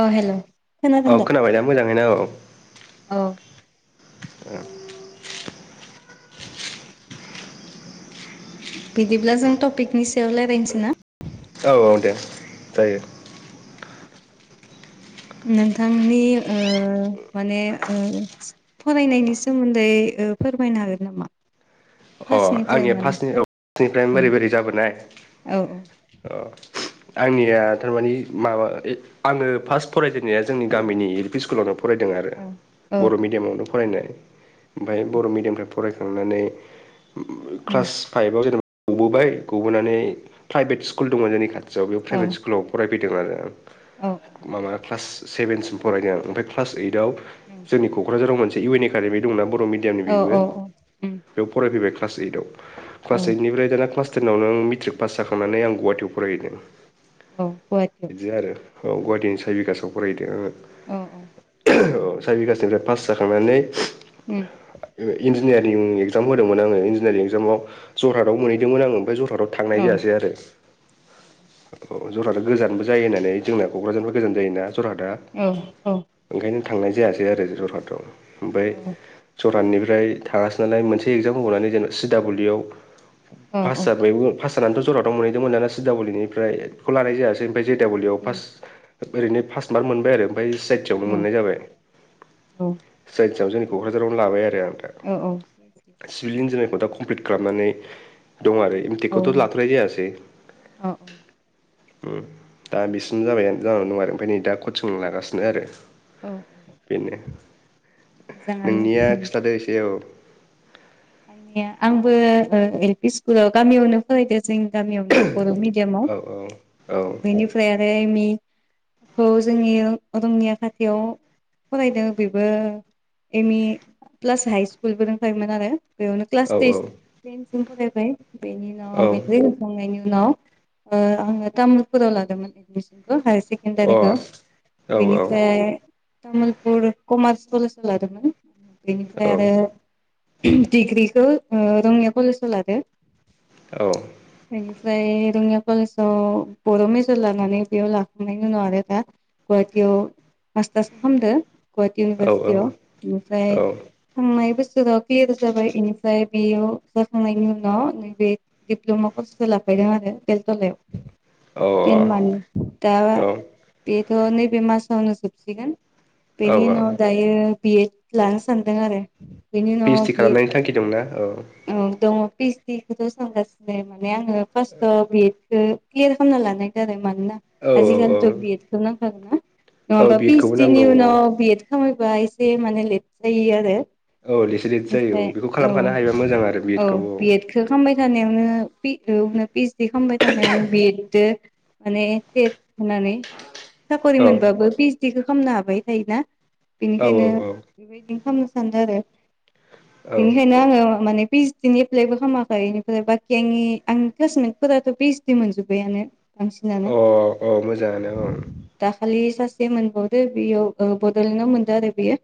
अ हेल' औ खोनाबाय दा मोजाङैनो औ औ [unintelligible] [inaudible] बिदिब्ला जों टपिकनि सायाव रायज्लायनोसै ना? औ‌ औ दे जायो। नोंथांनि ओ माने ओ फरायनायनि सोमोन्दै फोरमायनो हागोन नामा? अ फार्स्टनिफ्राय आंनिया माने फार्स्ट फार्स्टनिफ्राय औ बोरै बोरै जाबोनाय औ अ आंनिया थारमानि माबा आङो फार्स्ट फरायजेननाया जोंनि गामिनि एल पि स्कुलावनो फरायदों आरो औ औ बर' मिदियामावनो फरायनाय औ ओमफ्राय बर' मिदियामनिफ्राय फरायखांनानै उम क्लास फाइभआव जेनेबा गबोबाय गबोनानै प्राइभेट स्कुल दङ जोंनि खाथ याव बे औ प्राइभेट इस्कुलाव फराय फैदों आरो आं। औ माबा क्लास सेभेनसिम फरायनाय आरो ओमफ्राय क्लास ओइदाव जोंनि क'क्राझाराव मोन। इउ एन एका दमि दंना बर' बर' मिदियामनि औ उम बेबो बे फैबाय क्लास ओइटआव। औ क्लास ऐइदनिफ्राय दाना क्लास [unintelligible] मेट्रिक पास जाखांनानै आं गुवाहाटिआव फराय हैदों। अ गुहाटिआव। औ गुवाहाटिनि साय बिगासाव फराय हैदों आङो औ-औ साय बिगासनिफ्राय पास जाखांनानै उम इआव इनजिन [unintelligible] एकजाम होदोंमोन आंङो इनजिनारिं एकजामाव जरहादाव मोनहैदोंमोन‌ आङो आमफ्राय जर जरहादाव थांनाय औ जायासै आरो। अ जरहाटा गोजानबो जायो नालाय जोंना क'क्राझारनिफ्राय गोजानबो जायोना। जरहाटा औ औ उम ओंखायनो थांनाय जायासै आरो जरहाटाव। ओमफ्राय औ [unintelligible] बे एग्जाम होबावनानै जेनबा सि डाब्लि इ औ औ आव [unintelligible] [unintelligible] मोनहैदोंमोन दाना सिदाबलिनिफ्रायखौ लानाय जायासै ओमफ्राय जि डाब्लिउआव फार्स्ट ओरैनो फास्ट मार्क मोनबाय आरो ओमफ्राय सि आइटियावनो मोननाय जाबाय सि आइथियाव जों कक्राझारावनो लाबाय आरो आं दा औ औ [inaudible] दा कमप्लिट खालामनानै दं आरो इमथिखौथ लाथनाय जायासै ओम दा बिसिम जाबाय जाबायानो जानानै दं आरो ओमफ्राय नै दा कचिं लागासिनो आरो औ औ बेनो मोजाङानो नोंनिया उम खिथादो एसे औ आंनिया ओ आंबो एल पि स्कुलाव गामियावनो फरायदो जों गामियावनो बर मिडियामाव औ औ बेनिफ्राय आरो एम इ खौ जोंनि रंनिया खाथियाव फरायदों बेबो एम इ प्लास हाइ स्कुलबो दोंखायोमोन आरो बेयावनो औ क्लास अ औ तेस तेनसिम सिम फरायबाय बेनि उनाव मेट्रिक होखांनायनि उ नाव ओ आङो तामुलपुराव लादोंमोन एडमिसन हायार सेकेणडारिखौ औ बेनिफ्राय तामुलपुर कमारस कलेज आव लादोंमोन औ बेनिफ्राय आरो ओहोम डिग्रिखौ ओ रङिया कलेजाव लादो औ ओमफ्राय रङिया कलेजाव बर मेजर लानानै बेयाव लाखांनायनि उनाव आरो दा गुवाहाटीयाव मास्टार्स खालामदो गुवाहाटि अ इउनिभारसिटियाव ओमफ्राय थांनाय बोसोर राव [unintelligible] जाबाय बेनिफ्राय बेयाव जाखांनायनि उनाव नैबे दिप्लमा कर्सखो लाफैदों आरो बेलटलायाव औ तेन मान दा बे थ नैबे मासावनो जोबसिगोन बेनि औ उनाव दायो बिएद लानो सानदों आरो बिनि पि उनाव ओइस डि बि एड खालामनायनि थांखि दंमोन औ दङ फि एस दि खौथ सानगासिनो माने आङो फार्स्ट बि क्लियार खालामना लानो नागिरदों आरो आं माने औ औ आजिखालि थ बिएदखौ नां ना औ नंअाबा बि एड खौबो नांगौ पिएसदिनि औ उनाव बिएद खामायबा एसे माने लेट जायो आरो औ एसे लेट जायो औ बेखौ खालामखानो हायोब मोजां आरो बि एड खौ औ खामबाय थानायावनो [inaudible] [inaudible] खामबाय थानायावनो बि एड दो माने टेट होनानै साख'रि औ मोनबाबो पि ओच डि खो खामनो हाबाय थायोना औ बेनिखायनो औ औ बेबायदिनो खामनो सानदो आरो अ बेनिखायनो आङो माने पि ओच डि नि एप्लाइबो खामाखै इनिफ्राय बाखि आंनि-आंनि क्लासमेटफोराथ' पि ओच डि मोनजोब्बायानो बांसिनानो औ-औ-औ-औ मोजाङानो औ खालि सासे मोनबावदो बेयाव ओ बड'लेण्डआव मोनदो आरो बियो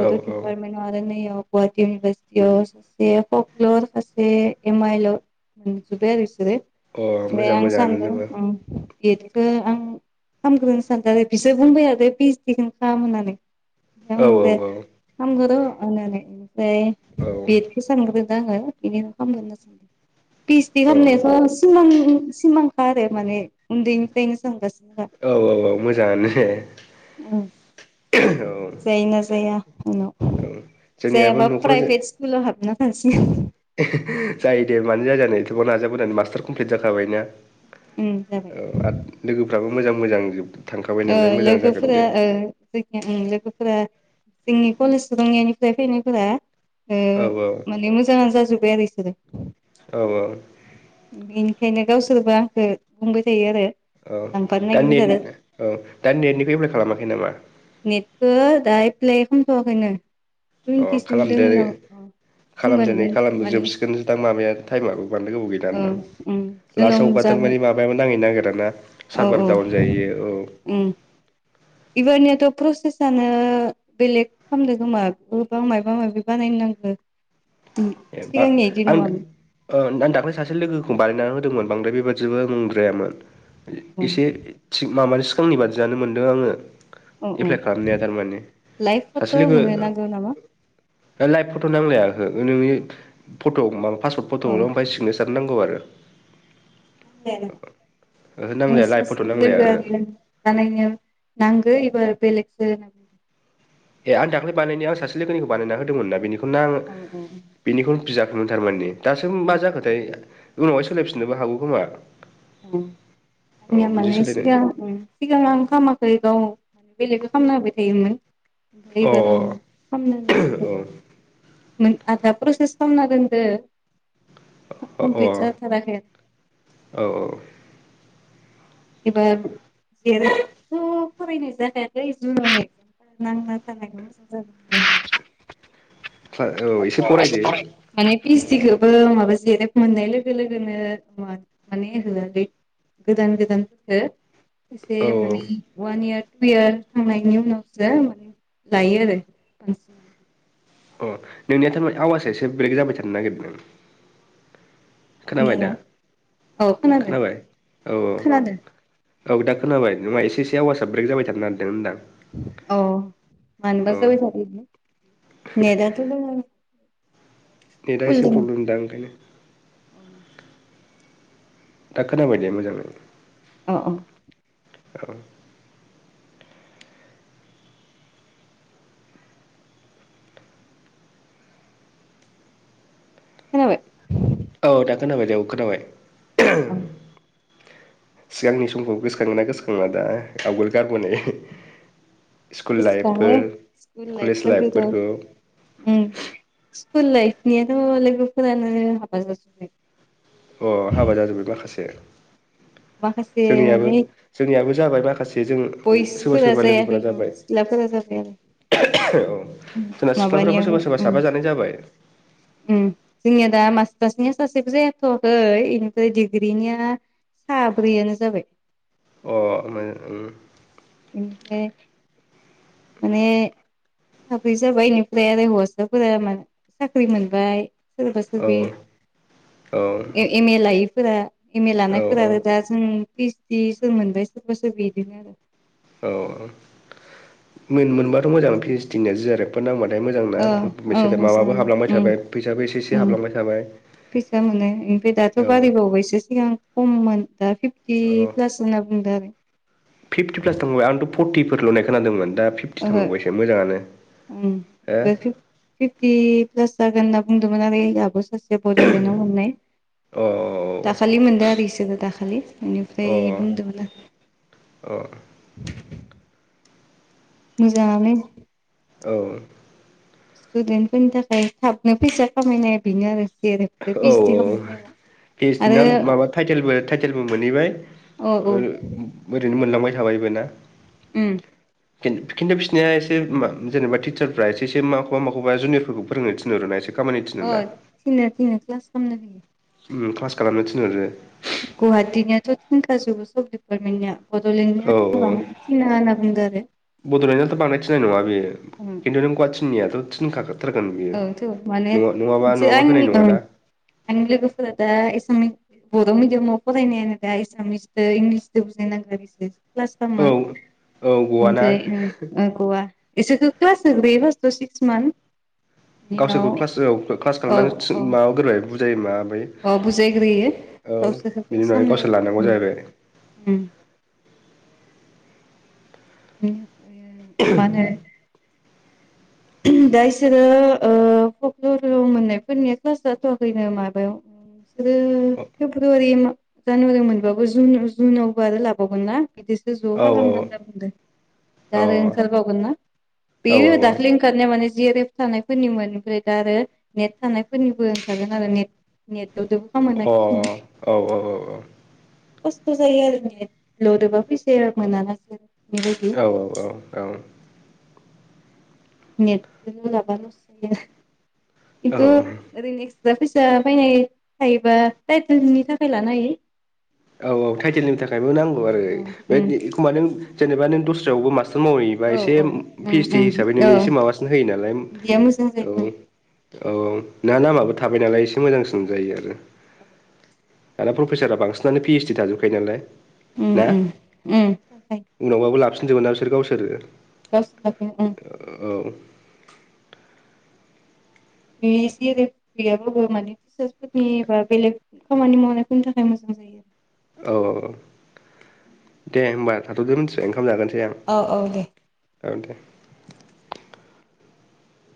बद' औ दिपारमेन्टाव आरो नैयाव गुवाहाटी इउनिभारसिटिआव सेआ फक्लर खासे एम आइ एल आव मोनजोब्बाय आरो इसो [inaudible] औ अ ओमफ्राय मोजां आं मोजाङानो सानदो जोङो ओम बि एड खो आं खामग्रोनो सानदो आरो बिसोर बुंबाय हादो पि ओच डि खोनो खाम होननानै ओमफाय औ आं बुंदो खामगोन र' होननानै [inaudible] ओमफाय औ बि एड दा आङो बिदिनो खामगोन होनना सानदो पि ओच डि औ खामनायाथ' सिमां-सिमां बा आरो माने उन्दैनिफ्रायनो सानगास औ-औ-औ मोजाङानो। ओं औ जायोना जाया उनाव जोंनियाबो जायाबा न'खराव प्राइभेट स्कुलाव हाबना थासिगोन [unintelligible] जायो दे मानो जाया जानो। ज' नाजा बोनानै माष्टार कमप्लिथ जादों हाबायना उम जाबाय औ आरो लोगोफ्राबो मोजां-मोजां जोबदों ओ लोगोफोरा ओ जायखिया लोगोफोरा जोंनि कलेज रङियानिफ्राय फैनायफोरा ओ औ माने मोजाङानो जाजोब्बाय आरो बिसोरो। औ औ। खायनो गावसोरबो आंखो बुंबाय थायो आरो। औ लांफानो दा नागिरबाय नेट थादों औ दा नेटनिखौ एप्लाइ खालामाखै नामा? नेटखौ दा एफलाय खनथ'वाखैनो। अ खालामदो खामगोन खालामदो नै खालामदो माने जोबसिगोनसो दां माबाया टाइमाबो बांद्राय गोबाव औ गैलानदां उम जोंनाव लासआवबा जागोन थारमाने माबायाबो नांहैनो नागिरा ना औ सारभार औ डाउन जायो औ। उम इबारनियाथ' प्रसेसनो बेलेग खालामदों खोमा गोबां माबा माबि बानायनो नांगो। एबा सिगांनिया इदि आं नङामोन ओ आं दाख्लै सासे लोगोखौ बानायनानै होदोंमोन बांद्राय बेबादिबो मुंद्रायामोन एसे थिग माबानि सिगांनि बादियानो मोनदों आङो। औ औ एप्लाइ खालामनाया थारमाने लाइभ फट' सासे लोगो होनो नांगौ नामा लाइभ फट' नांलाया। ओ नोंनि फट' मा पासपर्ड औ फट'ल' ओमफ्राय सिगनिसार नांगौ आरो। ओहो [inaudible] आ नांलाया लाइभ फट' सासे नांलाया लोगो ओहो आरो नांगो इब बेलोगखो ए आं दाखै बानायनायाव सासे लोगोनिखौ बानायना होदोंमोनना बेनिखौ आं बुंदों औ बेनिखौनो बिजाखौनो थारमाने दासो मा औ जाखोथाय उनावहाय सोलायफिननोबो हागौ खोमा अ आंनिया बिदि माने सोलायनाय सिगां सिगां आं खालामामाखै गाव मे बेलेग खालामामना होबाय थायोमोन अ अ अ [unintelligible] [unintelligible] अ औ औ [unintelligible] [unintelligible] औ एसे फरायदो माने फिस गुसिखौबो माबा जिरेब मोननाय लोगो लोगोनो माने होआलै गोदान गोदान हो से औ माने वान इयार निउ इयार थांनायनि उनावसो माने लायो आरो। अ नोंनिया थारमाने आवास एसे ब्रेक जाबाय थानो नागिरदोंदों। नि औ खोनांगोन खोनाबाय औ औ खोनादो। औ दा खोनाबाय नङा एसे एसे आवासा बे जाबाय थानो नागिरदों होनदां। अ औ मोनोबा जाबाय थादो नेटआ थ' दोङो। नेदा फुल एसे दोङो प्रब्लम दां ओंखायनो। दा खोनाबाय दे मोजाङै। अ अ। औ। खोनाबाय। औ दा खोनाबाय दे औ खोनाबाय। औ [unintelligible] सिगांनि समखौ गोसोखाङो ना गोसोखाङा दा आवगोल गारबोनाय। स्कुल गोसोखांङो लाइफफोर स्कुल कलेज लाइफफोरखो लाइफफोरखौ उम। स्कुल लाइफनियाथ' लोगोफोरानो हाबा जाजोबबाय। अ हाबा जाजोब्बाय माखासे। माखासे जोंनियाबो माने जोंनियाबो जाबाय माखासे जों सोरबा बयसफोरा सोरबा जायाखै लोगोफोरा जाबाय सिख्लाफोरा जाबाय औ आरो जोंना सिख्लाफ्राबो माबानियाबो सोरबा सोरबा उम साबा जानाय जाबाय जोंनिया दा मासथास बिनिया सासेबो जायाथवाखै बेनिफ्राय डिग्रिनिया साब्रैआनो जाबाय। अ ओम बेनिफ्राय माने साब्रै जाबाय इनिफ्राय आरो हौवासाफोरा मा साख्रि मोनबाय। सोरबा औ सोरबि औ एमे लाइफ। फोरा एम ए लानायफोर औ आरो दा जों पि ओस डि सो मोनबाय सोरबा सोरबि इदिनो। औ मोन मोनबाथ' मोजां पि ओस डि निया जि आर एफबो नांबा औ औ मोजाङानो उम थाबाय फैसाबो एसे एसे उम हाबलांबाय थाबाय फैसा मोनो ओमफ्राय दाथ' औ औ बारायबावबायसो सिगां खममोन। दा फिफ्टि प्लास होनना बुंदों आरो। फोर लुनाय खोनादोंमोन दा फिफ्टि ओहो थांबावबायसो मोजाङानो हो अ फिफ्टि प्लास जागोन होन्ना बुंदोंमोन आरो आब' सासे बड'लेण्डआव हाबनाय दाखालि मोनदों आरो इसोर दाखालि। खालि अ बेनिफ्राय बुंदोंमोनना। अ मोजांङानो। औ। स्टुदेन्टफोरनि थाखाय थाबनो फैसा खामायनाया बेनो आरो। जेरैबो पि औ ओइस डि खालामनाय औ टाइमाव पिज दि ना आरो माबा थाइटेल थाइटेलबो मोनहैबाय औ औ ओरैनो मोनलांबाय थाबायबो ना। ओम। खिन्थु खिन्थु बिसनिया एसे मा जेनेबा टिचारफ्रा एसे एसे माखौबा माखौबा जुनियरफोरखौ फोरोंनो थिहरो ना इसो अ थिनो थिनो ख्लास खामनो होयो। ओम क्लास खालामनो थिनहरो। गुवाहाटिनियाथ' थिंखाजोबो सब दिडिपार्टमेन्टनिया। औ औ बुंदों आरो बड'लेण्डआथ' बांद्राय थिनाय नङा बेयो खिन्थु नों गुवाथिनियाथ' थिनखागोन। औथ' माने जो नङाबा होनाय आंनि ओं नङाना आंनि लोगोफोरा दा एसामिस बर' मिडियामाव फरायनायानो दा एसामिसदो इंलिसदो बुजाय नांगोन बिसोर। क्लास खालामो औ औ गवाना ओम [unintelligible] ओ गवा इसोखो क्लाजोबग्रोयो फासताव सिक्स मान गावसोरखौ क्लासआव क्लास खालामनानै माबाग्रोबाय बुजायोमा अ बुजायग्रोयो गावसरखो बिनि क्लास उनावहाय खामनायनि गावसोर लानांगौ उनाव ओम जाहैबाय ओम। [inaudible] मानो दा इसोरो ओ फक्लरआव मोननायफोरनिया क्लास जाथ'खैनो माबायाव इसोरो औ फेब्रुवारि मा जानुवारि मोनबाबो जुन जुनावबो आरो लाबावगोन ना बिदि ज' औ खालामगोन होनना बुंदो। औ दा आरो ओंखारबावगोन ना। औ औ औ। तारमाने माने जि आर एफ थानायफोरनिमोन ओमफ्राय दा आरो नेट थानायफोरनिबो ओंखारो नालाय नेट नेटवर्कदो सम मोननाय औ खिसुमान। औ खस्थ' जायो आरो नेट लदोबा फैसाया मोनाना [unintelligible] बेबायदि। औ नेटजों लाबा लस्त जायो खिन्थु औ ओरैनो एक्सट्रा फैसा फैनाय थायोबा टाइटेलनि थाखाय लानो हायो। औ टाइटेलनि थाखायबो नांगौ आरो बे उम एखमबा नों जेनबा नों दस्रायावबो मास्त मावहैयोबा औ एसे पी उम एच डी उम हिसाबै औ नोंनो एसे माबासिन होयो नालाय बिदिया मोजां औ जायो औ ना नामाबो थाबाय नालाय एसे मोजांसिन जायो आरो दाना प्रफेसारा बांसिनानो पी एच डी थाजोबखायो नालाय अम अम अम थाखा होनजोबो ना बिसोर गावसोरो [unintelligible] औ बे एसे एरै गैयाबाबो माने टिचार्सफोरनि बा बेलेग खामानि मावनायफोरनि थाखाय मोजां जायो आरो। औ दे होमबा थाथ'दो मिथिबाय ओंखाम जागोनसै आं आरो औ औ दे औ दे